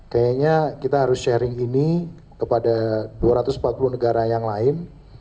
kayaknya kita harus sharing ini kepada dua ratus empat puluh negara yang lain